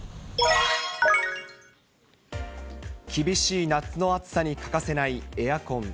厳しい夏の暑さに欠かせないエアコン。